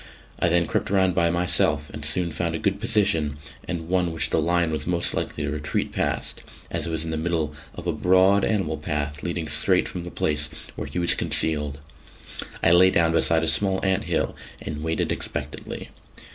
I then crept round by myself and soon found a good position and one which the lion was most likely to retreat past, as it was in the middle of a broad animal path leading straight from the place where he was concealed. I lay down behind a small ant hill, and waited expectantly.